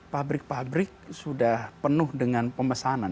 pabrik pabrik sudah penuh dengan pemesanan